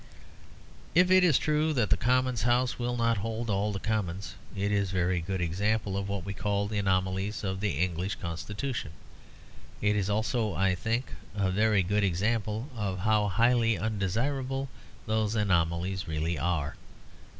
If it is true that the Commons' House will not hold all the Commons, it is a very good example of what we call the anomalies of the English Constitution. It is also, I think, a very good example of how highly undesirable those anomalies really are.